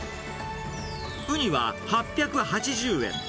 ウニは８８０円。